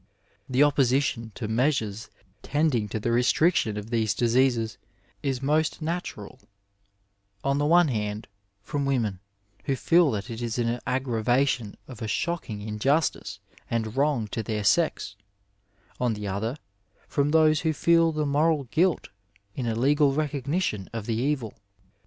The opposition to measures tending to the restriction of these diseases is most natural : on the one hand, from women, who feel that it is an aggravation of a shocking injustice and wrong to their sex ; on the other, from those who feel the moral guilt in a legal recognition of the evil.